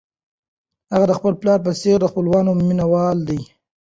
هغه د خپل پلار په څېر د خپلواکۍ مینه وال و.